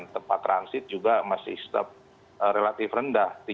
tempat transit juga masih step relatif rendah